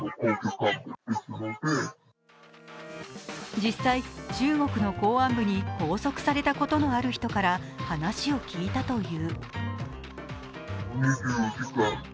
実際、中国の公安部に拘束されたことがある人から話を聞いたという。